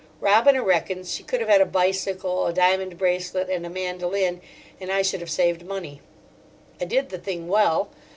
Robina reckons she could have had a bicycle, a diamond bracelet, and a mandoline, and I should have saved money. I did the thing well.